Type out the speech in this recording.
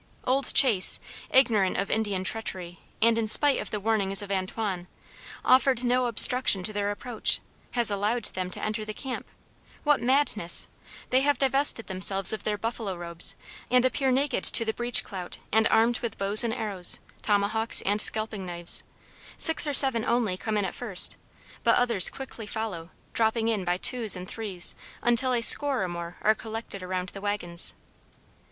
Old Chase, ignorant of Indian treachery and in spite of the warnings of Antoine, offering no obstruction to their approach, has allowed them to enter the camp. What madness! They have divested themselves of their buffalo robes, and appear naked to the breech clout and armed with bows and arrows, tomahawks, and scalping knives. Six or seven only come in at first, but others quickly follow, dropping in by twos and threes until a score or more are collected around the wagons.